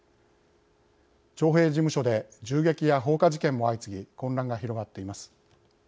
徴兵事務所で銃撃や放火事件も相次ぎ混乱が広がっています。